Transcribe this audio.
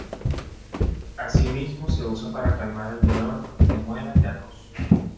Asimismo, se usa para calmar el dolor de muela y la tos.